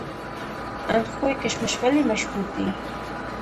اندخوی کشمش ولې مشهور دي؟